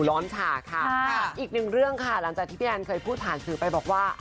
ร้อนฉากค่ะอีกหนึ่งเรื่องค่ะหลังจากที่พี่แอนเคยพูดผ่านสื่อไปบอกว่า